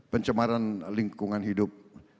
pencemaran lingkungan hidup